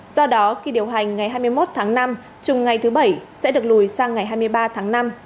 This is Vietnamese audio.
do đó kỳ điều hành ngày hai mươi một tháng năm chung ngày thứ bảy sẽ được lùi sang ngày hai mươi ba tháng năm